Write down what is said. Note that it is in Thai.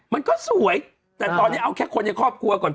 มันก็สวยแต่ตอนนี้เอาแค่คนในครอบครัวก่อน